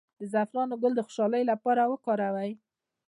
د زعفران ګل د خوشحالۍ لپاره وکاروئ